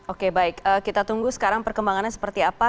oke baik kita tunggu sekarang perkembangannya seperti apa